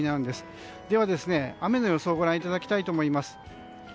では、雨の予想をご覧いただきたいと思います。